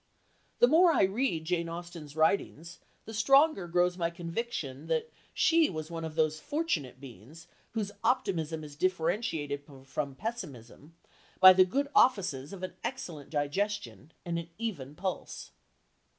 The more I read Jane Austen's writings the stronger grows my conviction that she was one of those fortunate beings whose optimism is differentiated from pessimism by the good offices of an excellent digestion and an even pulse.